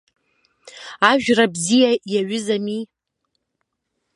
Ажәра бзиа иаҩызами!